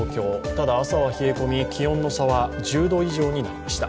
ただ朝は冷え込み気温の差は１０度以上になりました。